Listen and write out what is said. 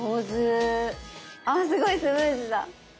あすごいスムーズだ。